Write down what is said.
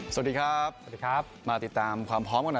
สวัสดีครับสวัสดีครับมาติดตามความพร้อมกันหน่อย